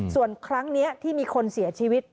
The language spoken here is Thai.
ส่วนครั้งนี้ที่มีคนเสียชีวิต